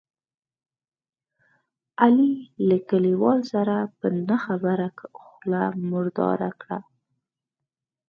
علي له کلیوالو سره په نه خبره خوله مرداره کړله.